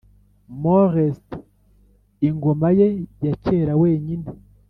molest ingoma ye ya kera wenyine.